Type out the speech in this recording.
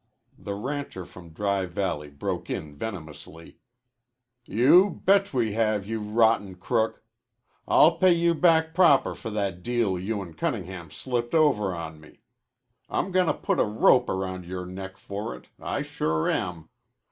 The rancher from Dry Valley broke in venomously. "You bet we have, you rotten crook. I'll pay you back proper for that deal you an' Cunningham slipped over on me. I'm gonna put a rope round yore neck for it. I sure am.